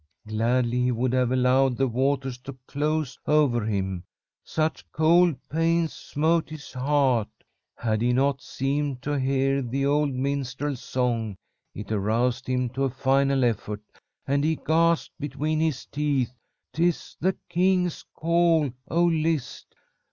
Gladly he would have allowed the waters to close over him, such cold pains smote his heart, had he not seemed to hear the old minstrel's song. It aroused him to a final effort, and he gasped between his teeth: "''Tis the king's call! O list!